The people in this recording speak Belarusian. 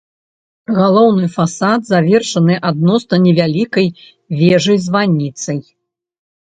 Галоўны фасад завершаны адносна невялікай вежай-званіцай.